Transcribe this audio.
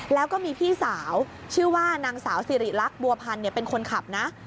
แล้วก็มีพี่สาวชื่อว่านางสาวสิริรักษ์บัวพันธ์เป็นคนขับนะ